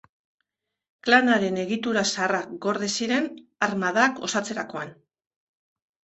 Klanaren egitura zaharrak gorde ziren armadak osatzerakoan.